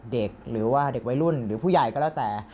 เด็กหรือว่าเด็กวัยรุ่นหรือผู้ใหญ่ก็แล้วแต่